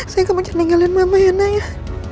sayang kamu jangan ninggalin mama ya nayah